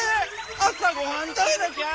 朝ごはん食べなきゃ！